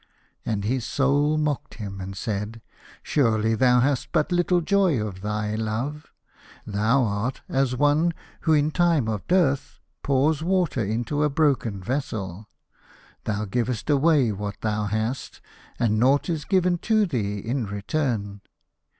And his Soul mocked him and said, "Surely thou hast but little joy out of thy love. Thou art as one who in time of dearth pours water into a broken vessel. Thou givest away what thou hast, and nought is given to thee in return.